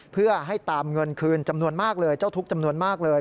เพื่อให้ตามเงินคืนจำนวนมากเลยเจ้าทุกข์จำนวนมากเลย